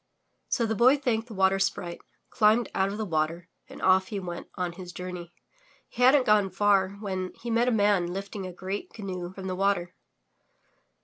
So the Boy thanked the Water Sprite, climbed out of the water and off he went on his journey. He hadn't gone far when he met a man lifting a great canoe from the water.